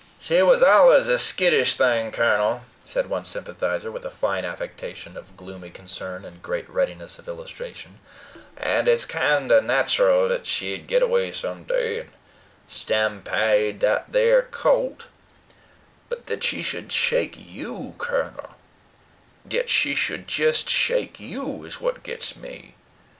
"She was alliz a skittish thing, Kernel," said one sympathizer, with a fine affectation of gloomy concern and great readiness of illustration; "and it's kinder nat'ril thet she'd get away someday, and stampede that theer colt: but thet she should shake YOU, Kernel, diet she should jist shake you is what gits me.